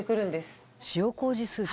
「塩麹スープ」